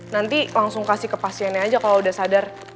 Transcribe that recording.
nanti langsung kasih ke pasiennya aja kalau udah sadar